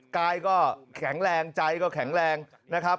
กายก็แข็งแรงใจก็แข็งแรงนะครับ